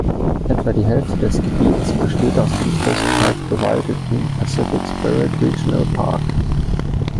Etwa die Hälfte des Gebiets besteht aus dem größtenteils bewaldeten Pacific Spirit Regional Park.